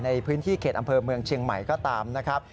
ในพื้นที่เขตอำเภอเมืองเชียงใหม่ก็ตามนะครับ